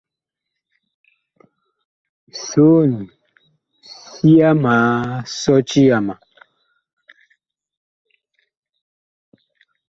Soon, sia ma sɔti yama.